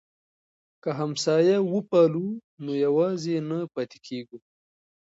که همسایه وپالو نو یوازې نه پاتې کیږو.